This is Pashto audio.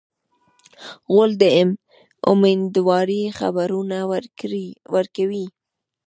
غول د امیندوارۍ خبرونه ورکوي.